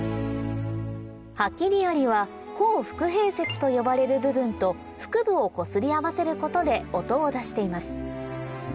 ハキリアリは後腹柄節と呼ばれる部分と腹部をこすり合わせることで音を出しています